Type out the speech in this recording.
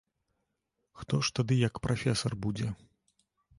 Хто ж тады як прафесар будзе?